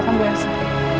jangan laku kan